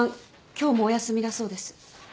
今日もお休みだそうです。